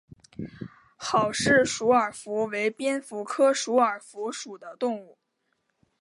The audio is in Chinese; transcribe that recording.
郝氏鼠耳蝠为蝙蝠科鼠耳蝠属的动物。